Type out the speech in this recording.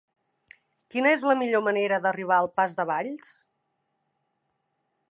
Quina és la millor manera d'arribar al pas de Valls?